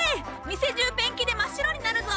店中ペンキで真っ白になるぞ。